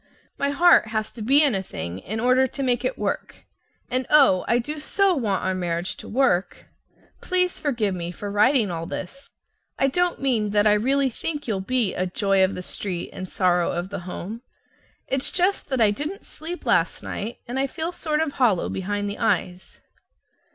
My heart has to be in a thing in order to make it work, and, oh, I do so want our marriage to work! Please forgive me for writing all this. I don't mean that I really think you'll be a "joy of the street, and sorrow of the home." It's just that I didn't sleep last night, and I feel sort of hollow behind the eyes.